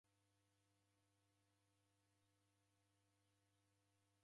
Chia yesuluhisha ndeisow'ekagha